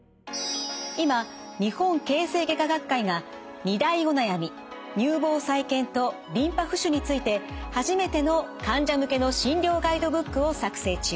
今日本形成外科学会が２大お悩み乳房再建とリンパ浮腫について初めての患者向けの診療ガイドブックを作成中。